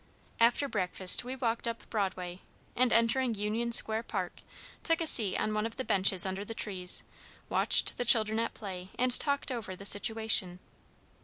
After breakfast we walked up Broadway, and entering Union Square Park, took a seat on one of the benches under the trees, watched the children at play, and talked over the situation.